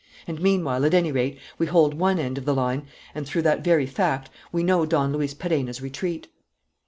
And, meanwhile, at any rate, we hold one end of the line and, through that very fact, we know Don Luis Perenna's retreat."